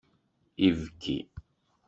Ibki.